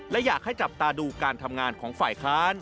และอยากให้จับตาดูการทำงานของฝ่ายค้าน